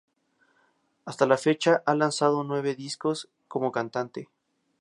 Hasta la fecha ha lanzado nueve discos como cantante.